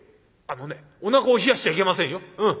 あのねおなかを冷やしちゃいけませんよ。